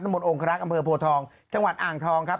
นรมไลน์โรงศาลอังค์ฮาลักษณ์อำเภวโนะทองจังหวัดอ่างทองครับ